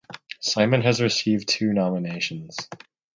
Simon has received two nominations.